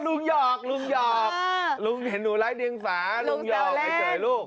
ลุงหยอกลุงเห็นหนูไร้เดียงสาลุงหยอกไม่เจอลูก